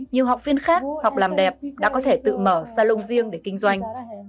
nhiều học viên khác học làm đẹp đã có thể tự mở salon riêng để kinh doanh